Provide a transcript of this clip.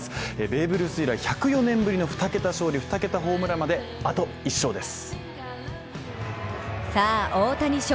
ベーブ・ルース以来、１０４年ぶりの２桁勝利２桁ホームランまで、あと１勝です。